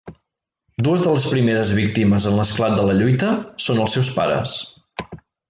Dues de les primeres víctimes en l'esclat de la lluita són els seus pares.